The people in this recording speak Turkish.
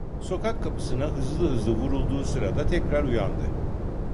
Sokak kapısına hızlı hızlı vurulduğu sırada, tekrar uyandı.